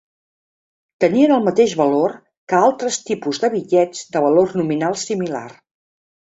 Tenien el mateix valor que altres tipus de bitllets de valor nominal similar.